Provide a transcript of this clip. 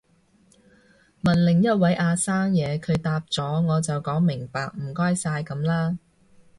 問另一位阿生嘢，佢答咗我就講明白唔該晒噉啦